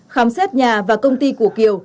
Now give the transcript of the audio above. khám xét nhà và công ty của kiều